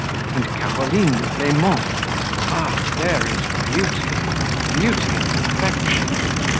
And Caroline de Blemont! Ah, there is beauty! beauty in perfection.